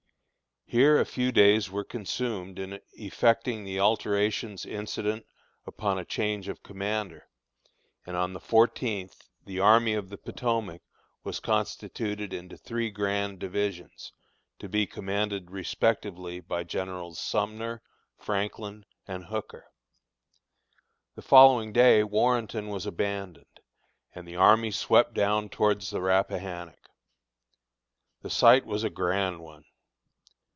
Here a few days were consumed in effecting the alterations incident upon a change of commander, and on the fourteenth the Army of the Potomac was constituted into three grand divisions, to be commanded respectively by Generals Sumner, Franklin, and Hooker. The following day Warrenton was abandoned, and the army swept down towards the Rappahannock. The sight was a grand one.